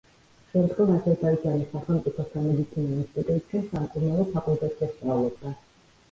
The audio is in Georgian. შემდგომ აზერბაიჯანის სახელმწიფო სამედიცინო ინსტიტუტში სამკურნალო ფაკულტეტზე სწავლობდა.